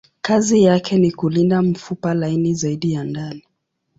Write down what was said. Kazi yake ni kulinda mfupa laini zaidi ya ndani.